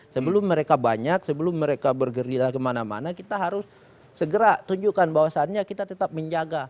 sebelum mereka banyak sebelum mereka bergerila kemana mana kita harus segera tunjukkan bahwasannya kita tetap menjaga